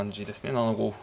７五歩。